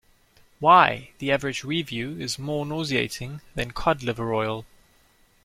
Why, the average review is more nauseating than cod liver oil.